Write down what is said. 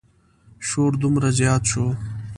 شور دومره زیات شو.